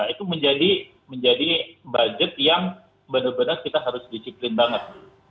itu menjadi budget yang benar benar kita harus disiplin banget